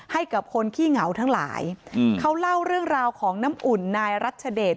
ให้กับคนขี้เหงาทั้งหลายเขาเล่าเรื่องราวของน้ำอุ่นนายรัชเดช